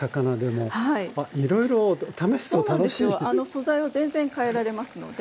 素材を全然変えられますので。